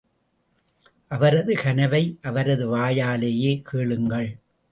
அவரது கனவை அவரது வாயாலேயே கேளுங்கள்.